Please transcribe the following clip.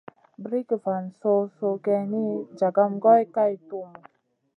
Brikŋa van so-soh geyni, jagam goy kay tuhmu.